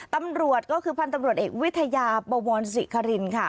ตำรวจก็คือพันธุ์ตำรวจเอกวิทยาบวรศิครินค่ะ